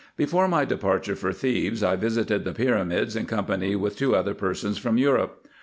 Before my departure for Thebes I visited the pyramids in company with two other persons from Europe.